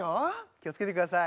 気を付けてください。